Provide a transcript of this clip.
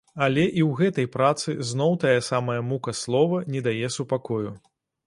Але і ў гэтай працы, зноў тая самая мука слова не дае супакою.